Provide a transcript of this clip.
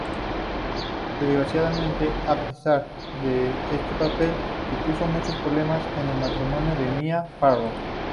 Desgraciadamente, aceptar este papel supuso muchos problemas en el matrimonio de Mia Farrow.